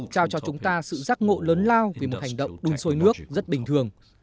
trao cho chúng ta sự giác ngộ lớn lao vì một hành động đun sôi nước rất bình thường